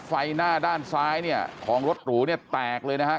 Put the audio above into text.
ไฟหน้าด้านซ้ายของรถหรูแตกเลยนะครับ